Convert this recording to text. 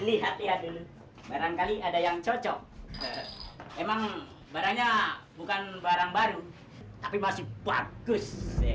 lihat lihat dulu barangkali ada yang cocok emang barangnya bukan barang baru tapi masih bagus